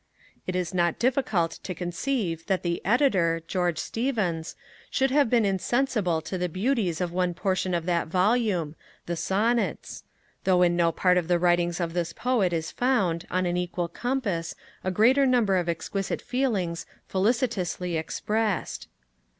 It is not difficult to conceive that the Editor, George Steevens, should have been insensible to the beauties of one portion of that Volume, the Sonnets; though in no part of the writings of this Poet is found, in an equal compass, a greater number of exquisite feelings felicitously expressed.